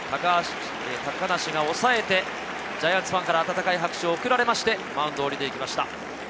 高梨が抑えてジャイアンツファンから温かい拍手が送られましてマウンドを降りていきました。